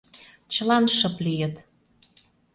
Чылан шып лийыт.